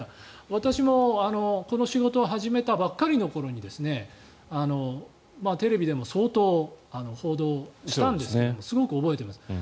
私もこの仕事を始めたばかりの頃にテレビでも相当、報道したんですがすごく覚えています。